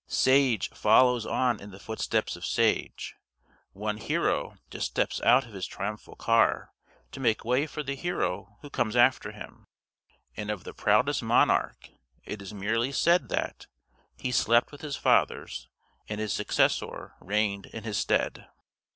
Sage follows on in the footsteps of sage; one hero just steps out of his triumphal car, to make way for the hero who comes after him; and of the proudest monarch it is merely said that, "he slept with his fathers, and his successor reigned in his stead."